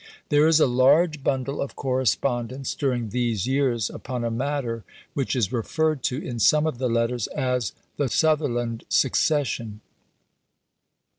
There is a large bundle of correspondence during these years upon a matter which is referred to in some of the letters as "The Sutherland Succession."